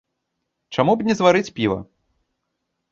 Чаму б не зварыць піва?